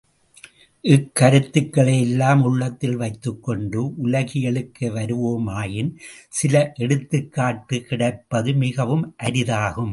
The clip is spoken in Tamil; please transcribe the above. இந்தக் கருத்துகளை யெல்லாம் உள்ளத்தில் வைத்துக் கொண்டு உலகியலுக்கு வருவோமாயின், சில எடுத்துக்காட்டு கிடைப்பதும் மிகவும் அரிதாகும்.